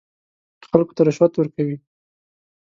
خلکو ته رشوت ورکوي.